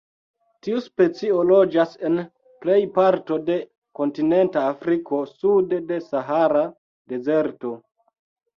Tiu specio loĝas en plej parto de kontinenta Afriko sude de Sahara Dezerto.